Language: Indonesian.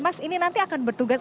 mas ini nanti akan bertugas